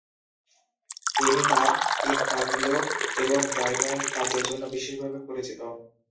তিনি তার ইনটাগ্লিও এবং ড্রাইপয়েন্ট কাজের জন্য বিশেষভাবে পরিচিত।